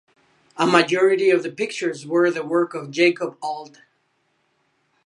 A majority of the pictures were the work of Jakob Alt.